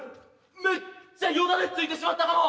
めっちゃよだれついてしまったかも。